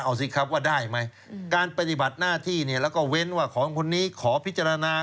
เอาสิครับว่าได้ไหมการปฏิบัติหน้าที่เนี่ยแล้วก็เว้นว่าของคนนี้ขอพิจารณา